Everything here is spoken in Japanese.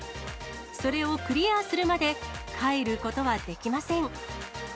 それをクリアするまで帰ることはできません。